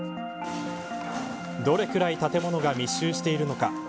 どれぐらい建物が密集しているのか。